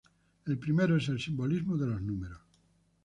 El primero es el simbolismo de los números.